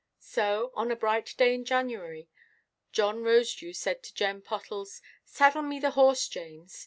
So, on a bright day in January, John Rosedew said to Jem Pottles, "Saddle me the horse, James."